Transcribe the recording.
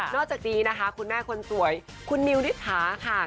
จากนี้นะคะคุณแม่คนสวยคุณมิวนิษฐาค่ะ